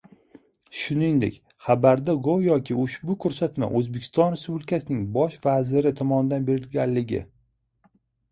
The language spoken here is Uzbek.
Shuningdek, xabarda go‘yoki ushbu ko‘rsatma O‘zbekiston Respublikasining Bosh vaziri tomonidan berilganligi